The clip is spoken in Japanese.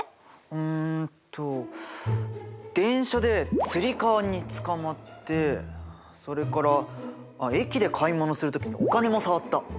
うんと電車でつり革につかまってそれから駅で買い物する時にお金も触った。